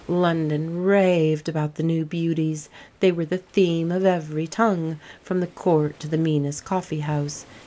London raved about the new beauties; they were the theme of every tongue, from the Court to the meanest coffee house.